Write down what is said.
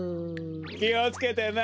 きをつけてな。